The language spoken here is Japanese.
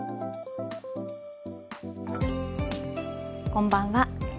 こんばんは。